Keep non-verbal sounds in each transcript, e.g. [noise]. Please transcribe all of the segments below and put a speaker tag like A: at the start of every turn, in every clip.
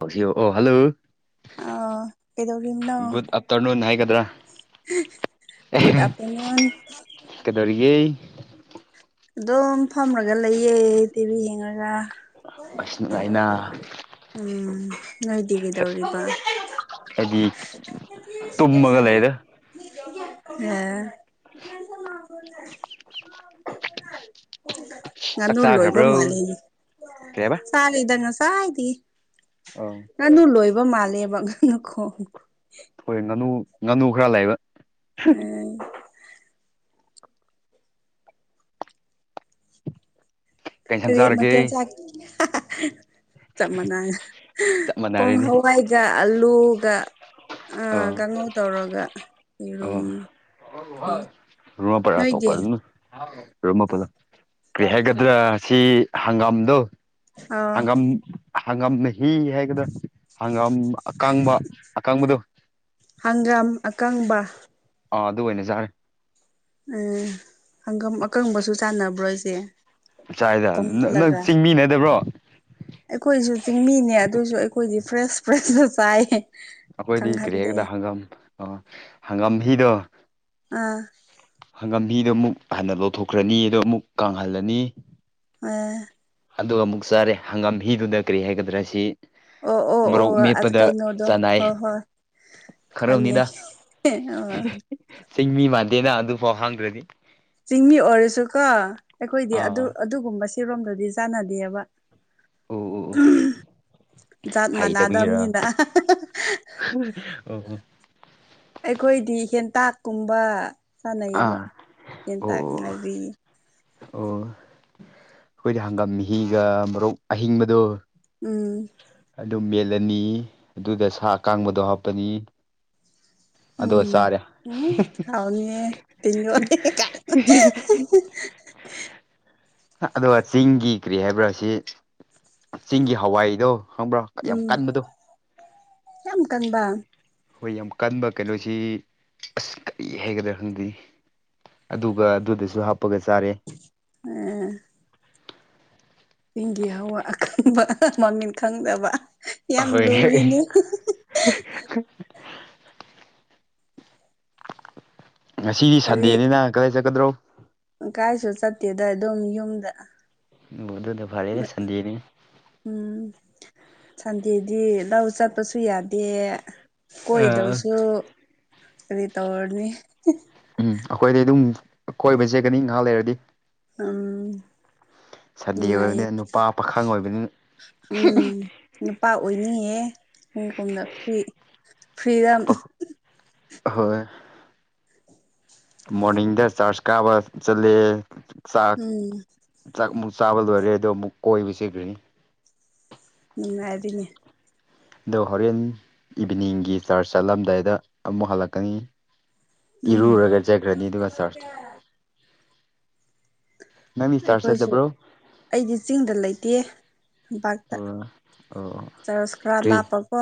A: [unintelligible] ꯑꯣ ꯍꯜꯂꯣ꯫
B: ꯑꯥ
A: good afternoon ꯍꯥꯏꯒ
B: ꯒꯨꯠꯑꯞꯇꯔꯅꯨꯟ꯫
A: ꯀꯩꯗꯧꯔꯤꯒꯦ꯫
B: ꯑꯗꯨꯝ ꯐꯝꯔꯒ ꯂꯩꯌꯦ ꯇꯤꯚꯤ ꯌꯦꯡꯉꯒ
A: ꯑꯁꯤ ꯅꯨꯡꯉꯥꯏꯅ
B: ꯎꯝ ꯅꯣꯏꯗꯤ ꯀꯩꯗꯧꯔꯤꯕ
A: ꯑꯩꯗꯤ
B: [unintelligible]
A: ꯇꯨꯝꯃꯒ
B: ꯀꯦꯁꯟꯅꯅꯨ
A: ꯂꯩꯗ
B: [unintelligible]
A: ꯆꯥꯛ
B: ꯉꯥꯅꯨ ꯂꯣꯏꯕ
A: ꯆꯥꯒꯔꯕ꯭ꯔꯣ
B: ꯃꯥꯜꯂꯦꯅꯦ
A: ꯀꯩ ꯍꯥꯏꯕ
B: ꯆꯥꯔꯦꯗ ꯉꯁꯥꯏꯗꯤ
A: ꯑꯧ
B: ꯉꯥꯅꯨ ꯂꯣꯏꯕ ꯃꯥꯜꯂꯦꯕ ꯉꯅꯨ ꯈꯣꯡ
A: ꯍꯣꯏ ꯉꯥꯅꯨ ꯉꯥꯅꯨ ꯈꯔ ꯂꯩꯕ
B: ꯎꯝ
A: ꯀꯩ ꯏꯟꯁꯥꯡ
B: ꯀꯔꯤ
A: ꯆꯥꯔꯒꯦ
B: ꯃꯊꯦꯜ ꯆꯥꯛ ꯆꯞ ꯃꯥꯟꯅ
A: ꯆꯞ
B: ꯄꯣꯡ
A: ꯃꯥꯟꯅꯔꯦꯅꯦ
B: ꯍꯋꯥꯏ [unintelligible] ꯑꯂꯨꯒ ꯀꯥꯡꯉꯧ ꯇꯧꯔꯒ ꯌꯦꯔꯨꯝ ꯉꯧ ꯅꯣꯏꯗꯤ
A: [unintelligible] [unintelligible] ꯀꯩ ꯍꯥꯏꯒꯗ꯭ꯔꯥ ꯁꯤ ꯍꯪꯒꯥꯝꯗꯣ
B: ꯑꯥ
A: ꯍꯪꯒꯥꯝ ꯍꯪꯒꯥꯝ ꯃꯍꯤ ꯍꯥꯏꯒꯗ꯭ꯔꯥ ꯍꯪꯒꯥꯝ ꯑꯀꯥꯡꯕ ꯑꯀꯥꯡꯕꯗꯣ
B: ꯍꯪꯒꯥꯝ ꯑꯀꯪꯕ
A: ꯑꯥ ꯑꯗꯨ ꯑꯣꯏꯅꯖꯥꯔꯦ
B: ꯎꯝ ꯍꯪꯒꯝ ꯑꯀꯪꯕꯁꯨ ꯆꯥꯟꯅꯕ꯭ꯔꯣ ꯍꯥꯏꯖꯦ ꯀꯪꯍꯜꯂꯒ
A: ꯃꯤꯅꯗꯕ꯭ꯔꯣ
B: ꯑꯩꯈꯣꯏꯁꯨ ꯆꯤꯡꯃꯤꯅꯦ ꯑꯗꯨꯏꯁꯨ ꯑꯩꯈꯣꯏꯗꯤ ꯐ꯭ꯔꯦꯁ ꯐ꯭ꯔꯦꯁꯗ ꯆꯥꯏꯌꯦ
A: ꯑꯩꯈꯣꯏꯗꯤ ꯀꯔꯤ
B: ꯀꯪꯍꯟꯗꯦ
A: ꯍꯥꯏꯦꯛꯒꯗ ꯍꯪꯒꯥꯝ ꯑ ꯍꯪꯒꯥꯝ ꯍꯤꯗꯣ
B: ꯑꯥ
A: ꯍꯪꯒꯝꯍꯤꯗꯣ ꯑꯃꯨꯛ ꯍꯟꯅ ꯂꯧꯊꯣꯛꯈ꯭ꯔꯅꯤ ꯑꯗꯣ ꯑꯃꯨꯛ ꯀꯥꯡꯍꯜꯂꯅꯤ
B: ꯑ
A: ꯑꯗꯨꯒ ꯑꯃꯨꯛ ꯆꯥꯔꯦ ꯍꯪꯒꯥꯝ ꯍꯤꯗꯨꯗ ꯀꯔꯤ ꯍꯥꯏꯒꯗ꯭ꯔꯥ ꯁꯤ
B: ꯑꯣ ꯑꯣ
A: ꯃꯣꯔꯣꯛ
B: ꯑꯣ ꯑꯁ
A: ꯃꯦꯞꯄꯗ
B: ꯀꯩꯅꯣꯗꯣ
A: ꯆꯥꯟꯅꯥꯏ
B: ꯍꯣꯏ ꯍꯣꯏ ꯈꯪꯉꯦ ꯑ
A: ꯆꯤꯡꯃꯤ ꯃꯥꯟꯗꯦꯅ ꯑꯗꯨꯐꯥꯎ ꯍꯥꯡꯗ꯭ꯔꯗꯤ
B: ꯆꯤꯡꯃꯤ ꯑꯣꯏꯔꯁꯨꯀꯣ ꯑꯩꯈꯣꯏꯗꯤ ꯑꯗꯨ
A: ꯑꯥ
B: ꯑꯗꯨꯒꯨꯝꯕ ꯁꯤꯔꯣꯝꯗꯨꯗꯤ ꯆꯥꯟꯅꯗꯦꯕ
A: ꯎ ꯎ
B: ꯖꯥꯠ
A: ꯍꯩꯇꯕꯤꯒꯤꯔ
B: ꯃꯥꯟꯅꯗꯕꯅꯤꯅ
A: ꯑꯣ
B: ꯑꯩꯈꯣꯏꯗꯤ ꯍꯦꯟꯇꯥꯛꯀꯨꯝꯕ ꯆꯥꯟꯅꯩꯌꯦꯕ
A: ꯑꯥ ꯑꯣ
B: ꯍꯦꯟꯇꯥꯛ
A: ꯑꯣ
B: ꯉꯔꯤ
A: ꯑꯣ ꯑꯩꯈꯣꯏꯗꯤ ꯍꯪꯒꯥꯝꯍꯤꯒ ꯃꯔꯣꯛ ꯑꯍꯤꯡꯕꯗꯣ
B: ꯎꯝ
A: ꯑꯗꯨꯝ ꯃꯦꯠꯂꯅꯤ ꯑꯗꯨꯗ ꯁꯥ ꯑꯀꯥꯡꯕꯗꯣ ꯍꯥꯞꯄꯅꯤ ꯑꯗꯨꯒ
B: ꯎꯝ
A: ꯆꯥꯔꯦ
B: ꯎꯝ ꯍꯥꯎꯅꯤꯍꯦ ꯇꯤꯟ ꯌꯣꯠꯂꯦ ꯀꯥꯏꯅ
A: ꯑꯗꯨꯒ ꯆꯤꯡꯒꯤ ꯀꯔꯤ ꯍꯥꯏꯕ꯭ꯔꯥ ꯁꯤ ꯆꯤꯡꯒꯤ ꯍꯋꯥꯏꯗꯣ ꯈꯪꯕ꯭ꯔꯣ ꯌꯥꯝ
B: ꯎꯝ
A: ꯀꯟꯕꯗꯣ
B: ꯌꯥꯝ ꯀꯟꯕ
A: ꯍꯣꯏ ꯌꯥꯝ ꯀꯟꯕ ꯀꯩꯅꯣꯁꯤ ꯑꯁ ꯀꯔꯤ ꯍꯥꯏꯒꯗ꯭ꯔꯥ ꯈꯪꯗꯦ ꯑꯗꯨꯒ ꯑꯗꯨꯗꯁꯨ ꯍꯥꯞꯄꯒ ꯆꯥꯔꯦ
B: ꯎꯝ ꯏꯪꯒꯤꯍꯋꯥ ꯑꯈꯪꯕ ꯃꯃꯤꯟ ꯈꯪꯗꯕ ꯌꯥꯝ
A: ꯑꯍꯣꯏ
B: ꯂꯨꯔꯤꯅꯤ
A: ꯉꯁꯤꯗꯤ
B: ꯀꯔꯤ
A: ꯁꯟꯗꯦꯅꯤꯅ ꯀꯗꯥꯏ ꯆꯠꯀꯗ꯭ꯔꯣ
B: ꯀꯥꯏꯁꯨ ꯆꯠꯇꯦꯗ ꯑꯗꯨꯝ ꯌꯨꯝꯗ
A: ꯃꯗ ꯐꯔꯦꯅꯦꯦ ꯁꯟꯗꯤꯅꯤ
B: ꯎꯝ ꯁꯟꯗꯦꯗꯤ ꯂꯧ ꯆꯠꯄꯁꯨ ꯌꯥꯗꯦ
A: ꯑ
B: ꯀꯣꯏꯗꯕꯁꯨ ꯀ ꯇꯧꯔꯅꯤ
A: ꯎꯝ ꯑꯩꯈꯣꯏꯗꯤꯩ ꯑꯗꯨꯝ ꯀꯣꯏꯕ ꯆꯦꯀꯅꯤ ꯉꯥꯏꯍꯥꯛ ꯂꯩꯔꯗꯤ
B: ꯎꯝ
A: ꯁꯟꯗꯦ ꯑꯣꯏꯕꯅꯤꯅ ꯅꯨꯄꯥ ꯄꯥꯈꯪ ꯑꯣꯏꯕꯅꯤꯅ
B: ꯎꯝ ꯅꯨꯄꯥ ꯑꯣꯏꯅꯤꯡꯌꯦꯦ ꯅꯣꯏ ꯀꯣꯝꯗ ꯐꯔꯤ ꯐ꯭ꯔꯤꯗꯝ
A: ꯍꯣꯏ ꯃꯣꯔꯅꯤꯡꯗ ꯆꯥꯔꯆ ꯀꯥꯕ ꯆꯠꯂꯦ ꯆꯥꯛ
B: ꯎꯝ
A: ꯆꯥꯛ ꯑꯃꯨꯛ ꯆꯥꯕ ꯂꯣꯏꯔꯦ ꯑꯗꯣ ꯑꯃꯨꯛ ꯀꯣꯏꯕ ꯆꯈ꯭ꯔꯅꯤ
B: ꯅꯨꯡꯉꯥꯏꯔꯤꯅꯦ
A: ꯑꯗꯣ ꯍꯣꯔꯦꯟ ꯏꯚꯤꯅꯤꯡꯒꯤ ꯆꯥꯔꯖ ꯆꯠꯂꯝꯗꯥꯏꯗ ꯑꯃꯨꯛ ꯍꯜꯂꯛꯀꯅꯤ
B: ꯎꯝ
A: ꯏꯔꯨꯔꯒ ꯆꯈ꯭ꯔꯅꯤ ꯑꯗꯨꯒ ꯆꯥꯔꯖ ꯅꯪꯗꯤ ꯆꯥꯔꯖ
B: ꯑꯩꯈꯣꯏꯁꯨ
A: ꯆꯠꯇꯕ꯭ꯔꯣ
B: ꯑꯩꯗꯤ ꯆꯤꯡꯗ ꯂꯩꯇꯦ ꯂꯝꯄꯥꯛꯇ
A: ꯑꯣ ꯑꯣ
B: ꯆꯔꯁ ꯈꯔ
A: ꯀ꯭ꯔꯤ
B: ꯂꯥꯞꯄꯀꯣ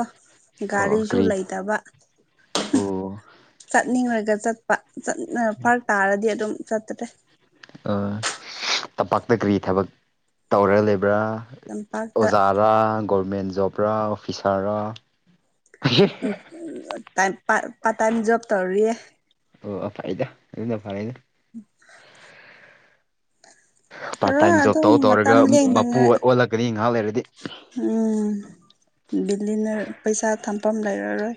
A: ꯑꯣ
B: ꯒꯥꯔꯤꯁꯨ
A: ꯀ꯭ꯔꯤ
B: ꯂꯩꯇꯕ
A: ꯑꯣ
B: [unintelligible] ꯆꯠꯅꯤꯡꯉꯒ ꯆꯠꯄ ꯐꯔꯛ ꯇꯥꯔꯗꯤ ꯑꯗꯨꯝ ꯆꯠꯇ꯭ꯔꯦ
A: ꯑ ꯇꯝꯄꯥꯛꯇ ꯀꯔꯤ ꯊꯕꯛ ꯇꯧꯔꯒ ꯂꯩꯕ꯭ꯔꯥ
B: ꯇꯝꯄꯥꯛꯇ
A: ꯑꯣꯖꯥꯔꯥ ꯒꯣꯔꯃꯦꯟ ꯖꯣꯕꯔꯥ ꯑꯣꯐꯤꯁꯥꯔꯔꯥ
B: ꯄꯥ ꯇꯥꯏꯝ ꯣꯕ ꯇꯧꯔꯤꯌꯦ
A: ꯑꯣ ꯑ ꯐ ꯑꯩꯗ ꯑꯗꯨꯅ ꯐꯔꯦ ꯑꯗꯨ
B: ꯎꯝ
A: ꯄꯥꯔꯠ ꯇꯥꯏꯝ ꯖꯣꯕ
B: ꯑꯗꯨꯝ
A: ꯇꯧ ꯇꯧꯔꯒ
B: ꯃꯇꯝ
A: ꯃꯄꯨ
B: ꯂꯦꯡꯅꯉꯥꯏ
A: ꯑꯣꯜꯂꯛꯀꯅꯤ ꯉꯥꯏꯍꯥꯛ ꯂꯩꯔꯗꯤ
B: ꯎꯝ ꯕꯤꯜꯂꯤꯅ ꯄꯩꯁꯥ ꯊꯝꯐꯝ ꯂꯩꯔꯔꯣꯏ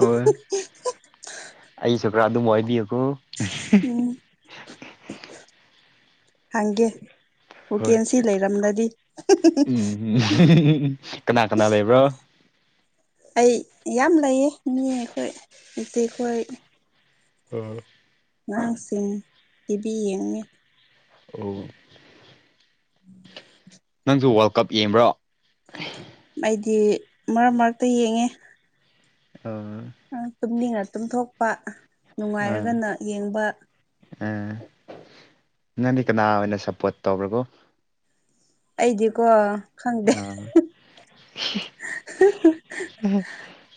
A: ꯍꯣꯏ ꯑꯩꯁꯨ ꯈꯔꯥ ꯑꯗꯨꯝ ꯑꯣꯏꯕꯤꯀꯣ
B: ꯎꯝ ꯍꯒꯦ
A: ꯍꯣꯏ
B: ꯣꯀꯦꯟꯁꯤ ꯂꯩꯔꯝꯂꯗꯤ
A: ꯎ ꯀꯅꯥ ꯀꯅꯥ ꯂꯩꯕ꯭ꯔꯣ
B: ꯑꯩ ꯌꯥꯝ ꯂꯩꯌꯦ ꯃꯤ ꯑꯩꯈꯣꯏ ꯏꯆ ꯑꯩꯈꯣꯏ
A: ꯎꯝ
B: ꯉꯥꯡꯁꯤꯡ ꯏꯕꯤ ꯌꯦꯡꯉꯤ
A: ꯑꯣ
B: ꯎꯝ
A: ꯅꯪꯁꯨ ꯋꯥꯔꯜ ꯀꯞ ꯌꯦꯡꯕ꯭ꯔꯣ
B: ꯑꯩꯗꯤ ꯃꯔꯛ ꯃꯔꯛꯇ ꯌꯦꯡꯉꯦ
A: [unintelligible]
B: ꯇꯨꯝꯅꯤꯡꯅ ꯇꯨꯝꯊꯣꯛꯄ ꯅꯨꯡꯉꯥꯏꯔꯒꯅ ꯌꯦꯡꯕ
A: ꯎꯝ ꯅꯪꯗꯤ ꯀꯅꯥ ꯑꯣꯏꯅ ꯁꯞꯄꯣꯔꯠ ꯇꯧꯕ꯭ꯔꯒꯣ
B: ꯑꯩꯗꯤꯀꯣ ꯈꯪꯗꯦ
A: ꯑꯣ
B: [unintelligible]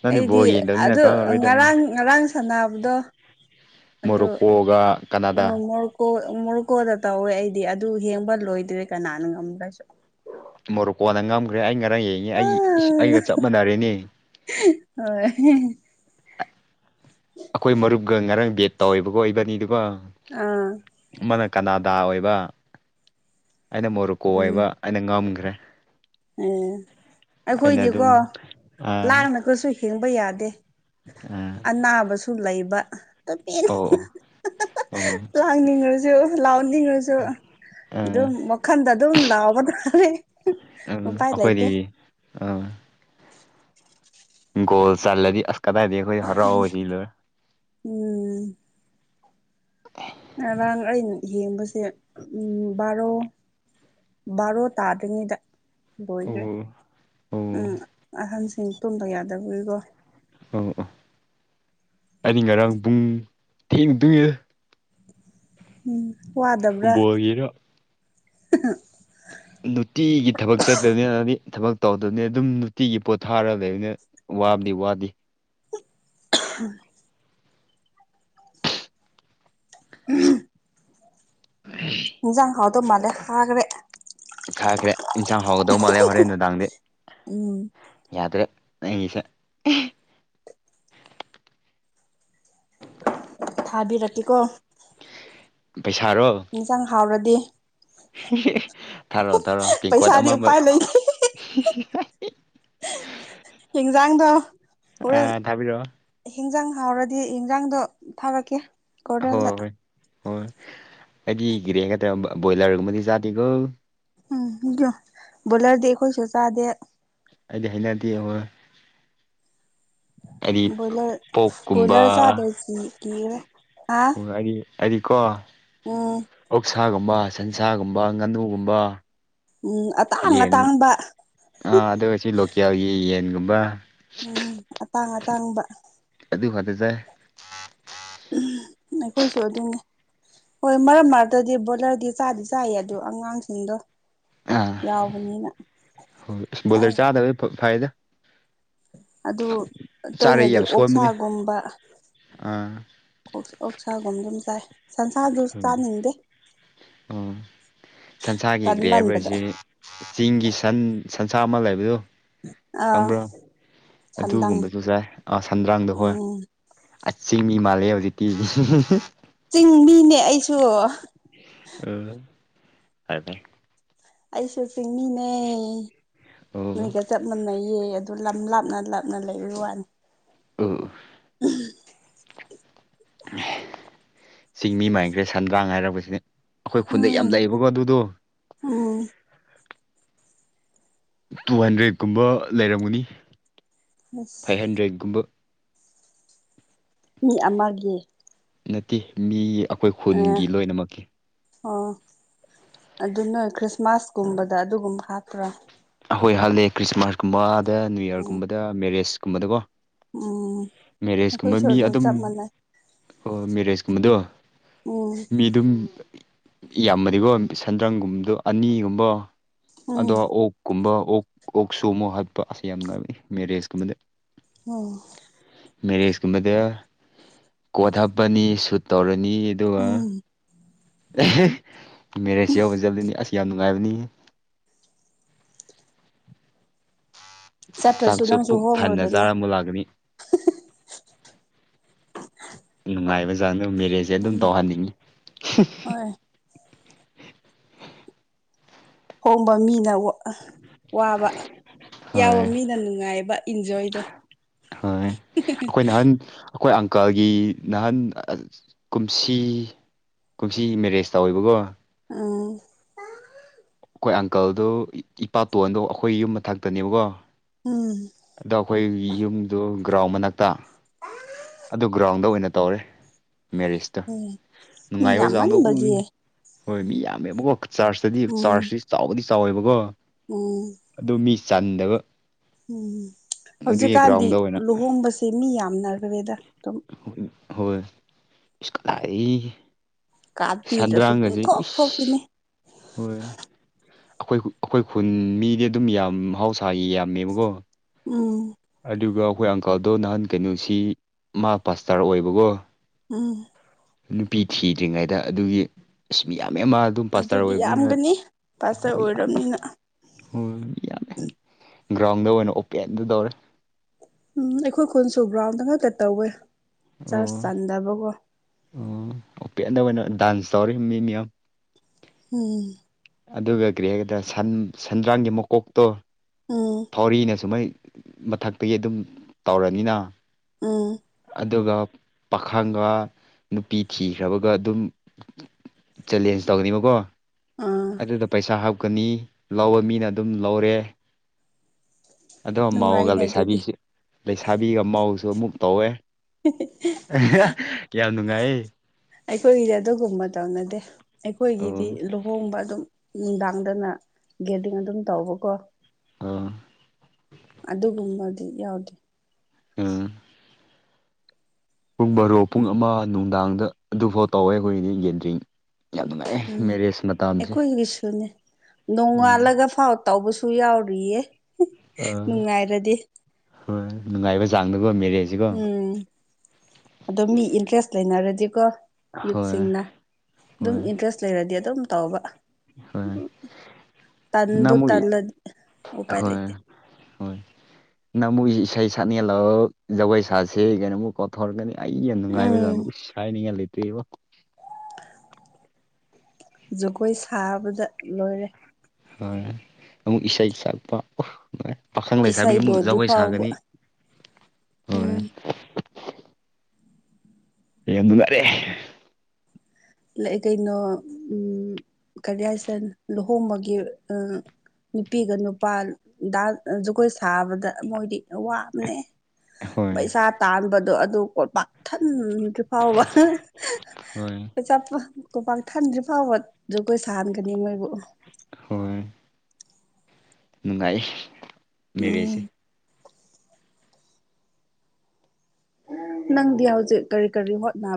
A: ꯅꯪꯗꯤ
B: ꯑꯩꯗꯤ
A: ꯕꯣꯜ ꯌꯦꯡꯗꯕꯅꯤꯅ
B: ꯑꯗꯨ
A: ꯈꯪꯉꯔꯣꯏꯗꯕꯅꯤ
B: ꯉꯔꯥꯡ ꯉꯔꯥꯡ ꯁꯥꯟꯅꯕꯗꯣ
A: ꯃꯣꯔꯣꯛꯀꯣꯒ ꯀꯅꯥꯗꯥ
B: ꯃꯣꯔꯨꯀꯣꯗ ꯇꯧꯋꯦ ꯑꯩꯗꯤ ꯑꯗꯨ ꯍꯦꯡꯕ ꯂꯣꯏꯗ꯭ꯔꯦ ꯀꯅꯥꯅꯣ ꯉꯝꯗ꯭ꯔꯁꯨ
A: ꯃꯣꯔꯣꯛꯀꯣꯅ ꯉꯝꯈ꯭ꯔꯦ ꯑꯩ ꯉꯔꯥꯡ ꯌꯦꯡꯉꯤ ꯑꯩ ꯑꯩꯒ ꯆꯞ ꯃꯥꯟꯅꯔꯦꯅꯤ
B: ꯍꯣꯏ
A: ꯑꯩꯈꯣꯏ ꯃꯔꯨꯞꯀ ꯉꯔꯥꯡ ꯕꯦꯠ ꯇꯧꯋꯦꯕꯀꯣ ꯏꯕꯅꯤꯗꯨꯒꯣ
B: ꯑꯥ
A: ꯑꯃꯅ ꯀꯅꯥꯗꯥ ꯑꯣꯏꯕ ꯑꯩꯅ ꯃꯣꯔꯨꯀꯣ ꯑꯣꯏꯕ ꯑꯩꯅ ꯉꯝꯈ꯭ꯔꯦ
B: ꯎꯝ
A: ꯑꯩꯅ
B: ꯑꯩꯈꯣꯏꯗꯤꯀꯣ
A: ꯑꯗꯨꯝ ꯑꯥ
B: ꯂꯥꯡꯅꯒꯁꯨ ꯍꯤꯡꯕ ꯌꯥꯗꯦ
A: ꯑꯥ
B: ꯑꯅꯥꯕꯁꯨ ꯁꯨ ꯂꯩꯕ
A: ꯑꯣ ꯑꯣ ꯑꯣ
B: ꯂꯥꯡꯅꯤꯡꯉꯥꯔꯁꯨ ꯂꯥꯎꯅꯤꯡꯉꯥꯔꯁꯨ
A: ꯑꯥ
B: ꯑꯗꯨꯝ ꯋꯥꯈꯟꯗ ꯑꯗꯨꯝ ꯂꯥꯎꯕ ꯇꯥꯔꯦ
A: ꯎꯝ
B: ꯎꯄꯥꯏ ꯂꯩꯇꯦ
A: ꯑꯩꯈꯣꯏꯗꯤ ꯑꯥ ꯒꯣꯜ ꯆꯜꯂꯗꯤ ꯑꯁ ꯀꯗꯥꯏꯗꯩ ꯑꯈꯣꯏ ꯍꯔꯥꯎꯕꯁꯤ ꯂꯣꯏꯔꯦ
B: ꯎꯝ ꯉꯔꯥꯡ ꯑꯩꯅ ꯌꯦꯡꯕꯁꯦ ꯕꯥꯔꯣ ꯕꯥꯔꯣ ꯇꯥꯗ꯭ꯔꯤꯉꯩꯗ ꯂꯣꯏꯒ꯭ꯔꯦ
A: ꯑꯣ ꯑꯣ
B: ꯎꯝ ꯑꯍꯟꯁꯤꯡ ꯇꯨꯝꯕ ꯌꯥꯗꯕꯒꯤꯀꯣ
A: ꯑꯣ ꯑꯣ ꯑꯩꯗꯤ ꯉꯔꯥꯡ ꯄꯨꯡ ꯊꯦꯡꯅ ꯇꯨꯝꯃꯦ
B: ꯎꯝ ꯋꯥꯗꯕ꯭ꯔꯥ
A: ꯐꯨꯠꯕꯣꯜꯒꯤꯔ ꯅꯨꯡꯇꯤꯒꯤ ꯊꯕꯛ ꯆꯠꯇꯕꯅꯤꯗꯤ ꯊꯕꯛ ꯇꯧꯗꯕꯅꯤ ꯑꯗꯨꯝ ꯅꯨꯡꯇꯤꯒꯤ ꯄꯣꯠꯊꯥꯔꯒ ꯂꯩꯕꯅꯦ ꯋꯥꯕꯗꯤ ꯋꯥꯗꯤ
B: [unintelligible] ꯏꯟꯖꯥꯡ ꯍꯥꯎꯗꯣ ꯃꯥꯂꯦ ꯍꯥꯒ꯭ꯔꯦ
A: ꯍꯥꯒ꯭ꯔꯦ ꯏꯟꯁꯥꯡ ꯍꯧꯒꯗꯧ ꯃꯥꯜꯂꯦ ꯍꯣꯔꯦꯟ ꯅꯨꯡꯗꯥꯡꯗꯤ
B: ꯎꯝ
A: ꯌꯥꯗ꯭ꯔꯦ ꯅꯪꯒꯤꯁꯦ
B: ꯊꯥꯕꯤꯔꯛꯀꯦꯀꯣ
A: ꯄꯩꯁꯥꯔꯣ
B: ꯏꯟꯖꯥꯡ ꯍꯥꯎꯔꯗꯤ
A: ꯊꯥꯔꯣꯑꯣ ꯊꯥꯔꯣꯑꯣ ꯇꯦꯡꯀꯣꯠ
B: ꯄꯩꯁꯥꯗꯤ
A: ꯑꯃꯝꯃꯥ
B: ꯎꯄꯥꯏ ꯂꯩꯇꯦ ꯏꯤꯡꯖꯥꯡꯗꯣ ꯍꯣꯔꯦꯟ
A: ꯑꯥ ꯊꯥꯕꯤꯔꯛꯑꯣ
B: ꯍꯤꯟꯖꯥꯡ ꯍꯥꯎꯔꯗꯤ ꯏꯟꯖꯥꯡꯗꯣ ꯊꯥꯔꯛꯀꯦ
A: ꯍꯣꯏ
B: ꯀꯣꯔꯦꯜꯗ
A: ꯍꯣꯏ ꯍꯣꯏ ꯑꯩꯗꯤ [unintelligible] ꯕꯣꯏꯂꯔꯒꯨꯝꯕꯗꯤ ꯆꯥꯗꯦꯀꯣ
B: ꯎꯝ ꯕꯣꯂꯔꯗꯤ ꯑꯩꯈꯣꯏꯁꯨ ꯆꯥꯗꯦ
A: ꯑꯩꯗꯤ ꯍꯩꯅꯗꯦ ꯉꯣ
B: ꯕꫭꯏꯂꯔ
A: ꯄꯣꯛꯀꯨꯝꯕ
B: ꯕꫭꯏꯂꯔ ꯆꯥꯗꯨꯏꯁꯤ ꯀꯤꯒ꯭ꯔꯦ
A: ꯍꯥꯏꯔꯤ ꯍꯥꯏꯔꯤ ꯀꯣ
B: ꯎꯝ
A: ꯑꯣꯛꯁꯥꯒꯨꯝꯕ ꯁꯟꯁꯥꯒꯨꯝꯕ ꯉꯥꯅꯨꯒꯨꯝꯕ
B: ꯎꯝ ꯑꯇꯥꯡ ꯑꯇꯥꯡꯕ
A: ꯑꯥꯥ ꯑꯗꯨꯒ ꯁꯤ ꯂꯣꯀꯦꯜꯒꯤ ꯌꯦꯟꯒꯨꯝꯕ
B: ꯎꯝ ꯑꯇꯥꯡ ꯑꯇꯥꯡꯕ
A: ꯑꯗꯨ ꯈꯠꯇꯥ ꯆꯥꯏ
B: ꯑꯩꯈꯣꯏꯁꯨ ꯑꯗꯨꯅꯤ ꯍꯣꯏ ꯃꯔꯛ ꯃꯔꯛꯇꯗꯤ ꯕꯣꯏꯂꯔꯗꯤ ꯆꯥꯗꯤ ꯆꯥꯏ ꯑꯗꯨꯗꯣ ꯑꯉꯥꯡꯁꯤꯡꯗꯣ
A: ꯑꯥ
B: ꯌꯥꯎꯕꯅꯤꯅ
A: ꯍꯣꯏ
B: ꯆꯥꯏ
A: ꯕꯣꯂꯔ ꯆꯥꯗꯕ ꯐꯥꯏꯗ
B: ꯑꯗꯨ
A: ꯆꯥꯔꯗꯤ
B: ꯇꯣꯏꯅꯗꯤ
A: ꯌꯥꯝ ꯁꯣꯟꯕꯅꯤ
B: ꯑꯣꯛꯁꯥꯒꯨꯝꯕ
A: ꯑꯥ
B: ꯑꯣꯛꯁꯥꯒꯨꯝ ꯑꯗꯨꯝ ꯆꯥꯏ ꯁꯟꯁꯥꯗꯨꯁꯨ
A: ꯎꯝ
B: ꯆꯅꯤꯡꯗꯦ
A: ꯑꯣ ꯁꯟꯁꯥꯒꯤ ꯀꯔꯤ ꯍꯥꯏꯕ꯭ꯔꯥ
B: ꯀꯟꯃꯟꯕꯗ
A: ꯁꯤ ꯆꯤꯡꯒꯤ ꯁꯟ ꯁꯟꯁꯥ ꯑꯃ ꯂꯩꯕꯗꯨ
B: ꯑꯥ
A: ꯈꯪꯕ꯭ꯔꯥ
B: ꯁꯟꯗꯪ
A: ꯑꯗꯨꯒꯨꯝꯕꯁꯨ ꯆꯥꯏ ꯑꯥ ꯁꯟꯗ꯭ꯔꯥꯡꯗꯣ ꯍꯣꯏ
B: ꯎꯝ
A: ꯑꯆꯤꯡꯒꯤ ꯃꯥꯂꯦ ꯍꯧꯖꯤꯛꯇꯤ
B: ꯆꯤꯡ ꯃꯤꯅꯦ ꯑꯩꯁꯨ
A: ꯎꯝ UNINTELLIGIBLE
B: ꯑꯩꯁꯨ ꯆꯤꯡꯃꯤꯅꯦ
A: ꯑꯣ
B: ꯅꫭꯏꯒ ꯆꯞ ꯃꯥꯟꯅꯩꯌꯦ ꯑꯗꯨ ꯂꯝ ꯂꯥꯞꯅ ꯂꯥꯞꯅ ꯂꯩꯔ ꯋꯥꯅꯤ
A: ꯎꯝ ꯆꯤꯡꯃꯤ ꯃꯥꯟꯈ꯭ꯔꯦ ꯁꯟꯗ꯭ꯔꯥꯡ ꯍꯥꯏꯔꯛꯄꯁꯤꯅꯦ ꯑꯩꯈꯣꯏ ꯈꯨꯟꯗ ꯌꯥꯝ
B: ꯎꯝ
A: ꯂꯩꯌꯦꯕꯀꯣ ꯑꯗꯨꯗꯣ
B: ꯎꯝ
A: ꯇꯨ ꯍꯟꯗ꯭ꯔꯦꯠ ꯀꯨꯝꯕ ꯂꯩꯔꯝꯒꯅꯤ
B: ꯑꯁ
A: ꯐꯥꯏꯚ ꯍꯟꯗ꯭ꯔꯦꯠꯀꯨꯝꯕ
B: ꯃꯤ ꯑꯃꯒꯤ
A: ꯇꯦ ꯃꯤ ꯑꯩꯈꯣꯏ
B: ꯑꯥ
A: ꯈꯨꯟꯒꯤ ꯂꯣꯏꯅꯃꯛꯀꯤ
B: ꯑꯣ ꯑꯗꯨ ꯅꯣꯏ ꯈ꯭ꯔꯤꯁꯃꯥꯁꯀꯨꯝꯕꯗ ꯑꯗꯨꯒꯨꯝꯕ ꯍꯥꯞꯄ꯭ꯔꯥ
A: ꯑꯍꯣꯏ ꯍꯜꯂꯦ ꯈ꯭ꯔꯤꯁꯃꯥꯁꯀꯨꯝꯕ ꯑꯗ ꯅꯤꯌꯨ
B: ꯎꯝ
A: ꯌꯔꯒꯨꯝꯕꯗ ꯃꯦꯔꯦꯁꯀꯨꯝꯕꯗꯀꯣ
B: ꯎꯝ
A: ꯃꯦꯔꯦꯖꯀꯨꯝꯕ
B: ꯑꯩꯈꯣꯏꯁꯨ
A: ꯃꯤ ꯑꯗꯨꯝ
B: ꯆꯞ ꯃꯥꯟꯅꯩ
A: ꯑꯣ ꯃꯦꯔꯦꯁ ꯀꯨꯝꯕꯗꫭ
B: ꯎꯝ
A: ꯃꯤ ꯑꯗꯨꯝ ꯌꯥꯝꯃꯗꯤꯀꯣ ꯁꯟꯗ꯭ꯔꯪꯒꯨꯝꯕꯗꯣ ꯑꯅꯤꯒꯨꯝꯕ ꯑꯗꯣ
B: ꯎꯝ
A: ꯑꯣꯛꯀꯨꯝꯕ ꯑꯣꯛ ꯑꯣꯛ ꯁꯨ ꯑꯃꯨꯛ ꯍꯥꯠꯄ ꯑꯁ ꯌꯥꯝ ꯃꯦꯔꯦꯖꯀꯨꯝꯕꯗꯤ
B: ꯑꯣ
A: ꯃꯦꯔꯦꯖ ꯀꯨꯝꯕꯗ ꯀꯣꯠ ꯍꯥꯞꯄꯅꯤ ꯁꯨꯠ ꯇꯧꯔꯅꯤ
B: ꯎꯝ
A: ꯑꯦꯍꯦ ꯃꯦꯔꯦꯖ ꯌꯧꯕ ꯆꯠꯂꯅꯤ ꯑꯁ ꯌꯥꯝ ꯅꯨꯡꯉꯥꯏꯕꯅꯤꯍꯦ
B: ꯆꯠꯇ꯭ꯔꯁꯨ
A: ꯆꯥꯛꯁꯨ
B: ꯅꯪꯁꯨ
A: ꯄꯨꯛ ꯊꯟꯅ
B: ꯍꯣꯡꯉꯨꯗꯅ
A: ꯆꯥꯔ ꯃꯨꯛ ꯂꯥꯛꯀꯅꯤ ꯅꯨꯡꯉꯥꯏꯕ ꯆꯥꯡꯗꯣ ꯃꯦꯔꯦꯖꯁꯦ ꯑꯗꯨꯝ
B: ꯎꯝ
A: ꯇꯧꯍꯟꯅꯤꯡꯉꯤ
B: ꯍꯣꯏ ꯍꯣꯡꯕ ꯃꯤꯅ ꯋ ꯑ ꯋꯥꯕ ꯌꯥꯎꯕ
A: ꯍꯣꯏ
B: ꯃꯤꯅ ꯅꯨꯡꯉꯥꯏꯕ ꯏꯟꯖꯣꯏꯗꯣ
A: ꯍꯣꯏ ꯑꯩꯈꯣꯏ ꯅꯍꯥꯟ
B: UNINTELLIGIBLE
A: ꯑꯩꯈꯣꯏ ꯑꯪꯀꯜꯒꯤ ꯅꯍꯥꯟ ꯑ ꯀꯨꯝꯁꯤ ꯀꯨꯝꯁꯤ ꯃꯦꯔꯦꯖ ꯇꯧꯋꯦꯕꯀꯣ
B: ꯑꯪ
A: ꯑꯩꯈꯣꯏ ꯑꯪꯀꯜꯗꯣ ꯏ ꯏꯄꯥꯇꯣꯟꯗꯣ ꯑꯩꯈꯣꯏ ꯌꯨꯝ ꯃꯊꯛꯇꯅꯦꯕꯀꯣ
B: ꯎꯝ
A: ꯑꯗꯣ ꯑꯩꯈꯣꯏ ꯌꯨꯝꯗꯨ ꯒ꯭ꯔꯥꯎꯟ ꯃꯅꯥꯛꯇ ꯑꯗꯨ ꯒ꯭ꯔꯥꯎꯟꯗ ꯑꯣꯏꯅ ꯇꯧꯔꯦ ꯃꯦꯔꯤꯁꯇꯣ
B: ꯎꯝ ꯃꯤ
A: ꯅꯨꯡꯉꯥꯏꯕ ꯆꯥꯡꯗꯣ ꯎꯏ
B: ꯌꯥꯝꯃꯟꯕꯒꯤ
A: ꯍꯣꯏ ꯃꯤ ꯌꯥꯝꯃꯦꯕꯀꯣ ꯆꯥꯔꯖꯇꯗꯤ
B: ꯎꯝ
A: ꯆꯥꯔꯖꯇꯤ ꯆꯥꯎꯕꯗꯤ ꯆꯥꯎꯋꯦꯕꯀꯣ
B: ꯎꯝ
A: ꯑꯗꯨ ꯃꯤ ꯆꯟꯗꯕ
B: ꯎꯝ
A: ꯑꯗꯨꯒꯤ
B: ꯍꯧꯖꯤꯛꯀꯥꯟꯗꯤ
A: ꯒ꯭ꯔꯥꯎꯟꯗ ꯑꯣꯏꯅ
B: ꯂꯨꯍꯣꯡꯕꯁꯦ ꯃꯤ ꯌꯥꯝꯅꯈ꯭ꯔꯦꯗ ꯑꯗꯨꯝ
A: ꯍꯣꯏ ꯍꯣꯏ ꯏꯁ ꯀꯗꯥꯏ ꯏ
B: ꯀꯥꯠ ꯄꯤꯗꯔꯁꯨ ꯄꯨꯡꯊꯣꯛ
A: ꯏꯁ
B: ꯊꯣꯛꯄꯤꯅꯦ
A: ꯍꯣꯏ ꯑꯩꯈꯣꯏ ꯑꯩꯈꯣꯏ ꯈꯨꯟ ꯃꯤꯗꯤ ꯑꯗꯨꯝ ꯌꯥꯝ ꯃꯍꯧꯁꯥꯒꯤ ꯌꯥꯝꯃꯦꯕꯀꯣ
B: ꯎꯝ
A: ꯑꯗꯨꯒ ꯑꯩꯈꯣꯏ ꯑꯪꯀꯜꯗꯣ ꯅꯍꯥꯟ ꯀꯩꯅꯣꯁꯤ ꯃꯥ ꯄꯥꯁꯇꯥꯔ ꯑꯣꯏꯕꯒꯣ
B: ꯎꯝ
A: ꯅꯨꯄꯤ ꯊꯤꯗ꯭ꯔꯤꯉꯩꯗ ꯑꯗꯨꯒꯤ ꯑꯁ ꯃꯤ ꯌꯥꯝ ꯃꯥ ꯑꯗꯨꯝ ꯄꯥꯁꯇꯥꯔ
B: ꯑꯗꯨꯗꯤ
A: ꯑꯣꯏꯕꯅꯤꯅ
B: ꯌꯥꯝꯒꯅꯤ ꯄꯥꯁꯇꯔ
A: ꯍꯣꯏ ꯌꯥꯝꯃꯦ
B: ꯑꯣꯏꯔꯕꯅꯤꯅ
A: ꯍꯣꯏ ꯌꯥꯝꯃꯦ ꯒ꯭ꯔꯥꯎꯟꯗ ꯑꯣꯏꯅ ꯑꯣꯄꯦꯟꯗ ꯇꯧꯔꯦ
B: ꯎꯝ ꯑꯩꯈꯣꯏ ꯈꯨꯟꯁꯨ ꯒ꯭ꯔꯥꯎꯟꯗ ꯉꯥꯛꯇ ꯇꯧꯋꯦ ꯆꯔꯆ
A: ꯑꯣ
B: ꯆꯟꯗꯕꯀꯣ
A: ꯑꯣ ꯑꯣꯄꯦꯟꯗ ꯑꯣꯏꯅ ꯗꯥꯟꯁ ꯇꯧꯔꯤ ꯃꯤ ꯃꯌꯥꯝ
B: ꯎꯝ
A: ꯑꯗꯨꯒ ꯀꯔꯤ ꯍꯥꯏꯒꯗꯔ ꯁꯟ ꯁꯦꯟꯗ꯭ꯔꯥꯡꯒꯤ ꯃꯀꯣꯛꯇꯣ
B: ꯎꯝ
A: ꯊꯧꯔꯤꯅ ꯁꯨꯃꯥꯏ ꯃꯊꯛꯇ ꯌꯦꯇꯨꯝ ꯇꯧꯔꯅꯤꯅ
B: ꯎꯝ
A: ꯑꯗꯨꯒ ꯄꯥꯈꯪꯒ ꯅꯨꯄꯤ ꯊꯤꯈ꯭ꯔꯕꯒ ꯑꯗꯨꯝ ꯆꯦꯂꯦꯟꯖ ꯇꯧꯅꯤꯕꯀꯣ
B: ꯑꯥ
A: ꯑꯗꯨꯗ ꯄꯩꯁꯥ ꯍꯥꯞꯀꯅꯤ ꯂꯧꯕ ꯃꯤꯅ ꯑꯗꯨꯝ ꯂꯧꯔꯦ ꯑꯗꯣ ꯃꯥꯎꯒ
B: ꯅꯨꯡꯉꯥꯏꯅꯦ ꯑꯗꯨꯗꯤ
A: ꯂꯩꯁꯥꯕꯤꯁꯨ ꯂꯩꯁꯥꯕꯤꯒ ꯃꯥꯎꯁꯨ ꯑꯃꯨꯛ ꯇꯧꯋꯦ ꯌꯥꯝ ꯅꯨꯡꯉꯥꯏ
B: ꯑꯩꯈꯣꯏꯒꯤꯗꯤ ꯑꯗꯨꯒꯨꯝꯕ ꯇꯧꯅꯗꯦ ꯑꯩꯈꯣꯏꯒꯤꯗꯤ
A: ꯑꯣ
B: ꯂꯨꯍꯣꯡꯕ ꯑꯗꯨꯝ ꯅꯨꯡꯗꯥꯡꯗꯅ ꯒꯦꯗꯔꯤꯡ ꯑꯗꯨꯝ ꯇꯧꯕꯀꯣ
A: ꯑꯣ
B: ꯑꯗꯨꯒꯨꯝꯕꯗꯤ ꯌꯥꯎꯗꯦ
A: ꯑꯥ ꯄꯨꯡ ꯕꯥꯔꯣ ꯄꯨꯡ ꯑꯃ ꯅꯨꯡꯗꯥꯡꯗ ꯑꯗꯨꯐꯥꯎ ꯇꯧꯋꯦ ꯑꯩꯈꯣꯏꯗꯤ ꯒꯦꯟꯗꯔꯤꯡ ꯌꯥꯝ ꯅꯨꯡꯉꯥꯏ
B: ꯎꯝ
A: ꯃꯦꯔꯦꯖ ꯃꯇꯝꯁꯦ
B: ꯑꯩꯈꯣꯏꯒꯤꯁꯨꯅꯦ
A: ꯎꯝ
B: ꯅꯣꯡꯉꯥꯜꯂꯒ ꯐꯥꯎ ꯇꯧꯕꯁꯨ ꯌꯥꯎꯔꯤꯌꯦ
A: ꯑꯥ
B: ꯅꯨꯡꯉꯥꯏꯔꯗꯤ
A: ꯍꯣꯏ ꯅꯨꯡꯉꯥꯏꯕ ꯆꯥꯡꯗꯀꯣ ꯃꯦꯔꯦꯖ
B: ꯎꯝ ꯑꯗꯣ ꯃꯤ ꯏꯟꯇ꯭ꯔꯦꯁ ꯂꯩꯅꯔꯗꯤꯀꯣ
A: ꯍꯣꯏ
B: ꯌꯨꯠꯁꯤꯡꯅ ꯑꯗꯨꯝ
A: ꯍꯣꯏ
B: ꯏꯟꯇꯔꯦꯁ ꯂꯩꯔꯗꯤ ꯑꯗꯨꯝ ꯇꯧꯕ
A: ꯍꯣꯏ ꯅꯪ
B: ꯇꯟꯕꯨ
A: ꯑꯃꯨꯛ
B: ꯇꯜꯂ ꯎꯄꯥꯥꯏ
A: ꯍꯣꯏ
B: ꯂꯩꯗ
A: ꯍꯣꯏ ꯅꯪ ꯑꯃꯨꯛ ꯏꯁꯩ ꯁꯛꯅꯤꯡꯂꯣ ꯖꯒꯣꯏ ꯁꯥꯁꯦ ꯀꯩꯅꯃꯨꯛ ꯀꯣꯠꯊꯧꯔꯛꯀꯅꯤ ꯑꯩ ꯌꯥꯝ
B: ꯎꯝ
A: ꯅꯨꯡꯉꯥꯏꯕꯖꯥꯗꯣ ꯎꯁ ꯍꯥꯏꯅꯤꯡꯉꯥꯏ ꯂꯩꯇ꯭ꯦꯕ
B: ꯖꯒꯣꯏ ꯁꯥꯕꯗ ꯂꯣꯏꯔꯦ
A: ꯍꯣꯏ ꯑꯃꯨꯛ ꯏꯁꯩ ꯁꯛꯄ ꯍꯣꯏ ꯄꯥꯈꯪ
B: ꯏꯁꯩ
A: ꯂꯩꯁꯥꯕꯤ ꯑꯃꯨꯛ
B: ꯂꯣꯏꯗ꯭ꯔꯤ
A: ꯖꯒꯣꯏ
B: ꯐꯥꯎꯕ
A: ꯁꯥꯒꯅꯤ ꯍꯣꯏ
B: ꯎꯝ
A: ꯌꯥꯝ ꯅꯨꯉꯥꯏꯔꯦ
B: ꯀꯩꯅꯣ ꯎꯝ ꯀꯔꯤ ꯍꯥꯏꯁꯦ ꯂꯨꯍꯣꯡꯕꯒꯤ ꯅꯨꯄꯤꯒ ꯅꯨꯄꯥ ꯗꯥꯟ ꯖꯒꯣꯏ ꯁꯥꯕꯗ ꯃꯣꯏꯗꯤ ꯋꯥꯕꯅꯦ
A: ꯍꯣꯏ
B: ꯄꯩꯁꯥ ꯇꯥꯟꯕꯗꯣ ꯑꯗꯨ ꯀꯣꯠ ꯄꯥꯛ ꯊꯟꯗ꯭ꯔꯤ ꯐꯥꯎꯕ
A: ꯍꯣꯏ
B: ꯄꯩꯁꯥ ꯀꯣꯄꯥꯛ ꯊꯟꯗ꯭ꯔꯤꯐꯥꯎꯕ ꯖꯒꯣꯏ ꯁꯥꯍꯟꯒꯅꯤ ꯃꯣꯏꯕꯨ
A: ꯍꯣꯏ ꯅꯨꯡꯉꯥꯏ
B: ꯎꯝ
A: ꯃꯦꯔꯦꯖꯁꯦ
B: ꯅꯪꯗꯤ ꯍꯧꯖꯤꯛ ꯀꯔꯤ ꯀꯔꯤ ꯍꯣꯠꯅ